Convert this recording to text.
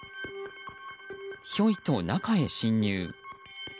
ひょいと中へ侵入。